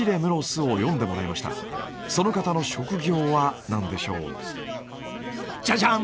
その方の職業は何でしょう？じゃじゃん！